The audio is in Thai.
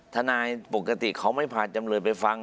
ทนายปกติเขาไม่พาจำเลยไปฟัง